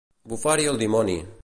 Bufar-hi el dimoni.